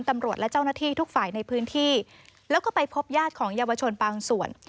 ตำรวจและเจ้าหน้าที่ทุกฝ่ายในพื้นที่แล้วก็ไปพบญาติของเยาวชนบางส่วน